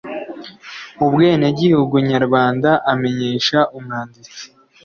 ubwenegihugu nyarwanda amenyesha umwanditsi